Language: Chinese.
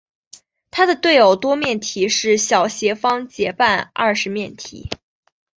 它的对偶多面体是小斜方截半二十面体。